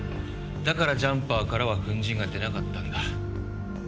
だからジャンパーからは粉塵が出なかったんだ。